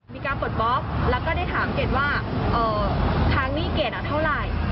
มีการปลดบ๊อบแล้วก็ได้ถามเกรดว่าเอ่อทางนี่เกรดอ่ะเท่าไร